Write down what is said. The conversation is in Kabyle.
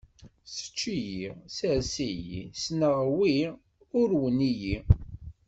Sečč-iyi, sers-iyi, ssneɣ wi urwen-iyi.